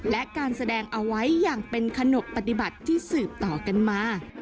และการแสดงเอาไว้อย่างเป็นขนกปฏิบัติที่สืบต่อกันมา